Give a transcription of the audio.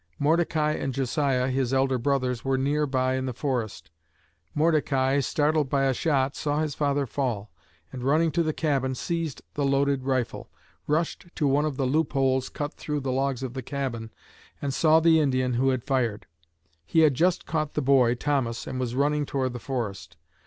Mordecai and Josiah, his elder brothers, were near by in the forest. Mordecai, startled by a shot, saw his father fall, and running to the cabin seized the loaded rifle, rushed to one of the loop holes cut through the logs of the cabin, and saw the Indian who had fired. He had just caught the boy, Thomas, and was running toward the forest.